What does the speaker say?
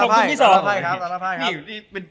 ขอบคุณที่สอง